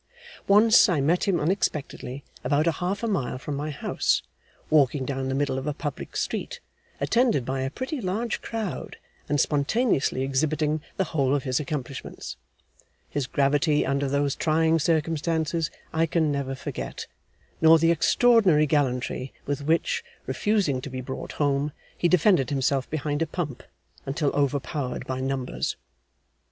Once, I met him unexpectedly, about half a mile from my house, walking down the middle of a public street, attended by a pretty large crowd, and spontaneously exhibiting the whole of his accomplishments. His gravity under those trying circumstances, I can never forget, nor the extraordinary gallantry with which, refusing to be brought home, he defended himself behind a pump, until overpowered by numbers.